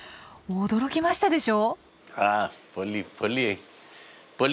驚きましたでしょ。